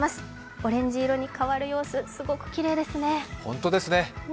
オレンジ色に変わる様子、すごくきれいですね。